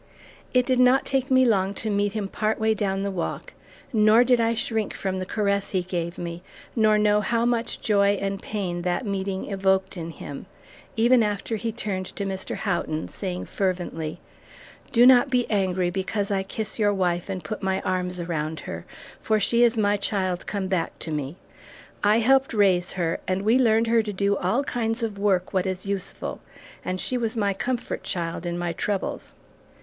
It did not take me long to meet him part way down the walk, nor did I shrink from the caress he gave me, nor know how much joy and pain that meeting evoked in him, even after he turned to Mr. Houghton saying fervently, "Do not be angry because I kiss your wife and put my arms around her, for she is my child come back to me. I helped raise her, and we learned her to do all kinds of work, what is useful, and she was my comfort child in my troubles."